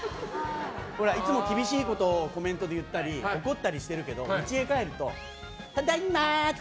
いつも厳しいことをコメントで言ったり怒ったりしているけどうちに帰るとただいま！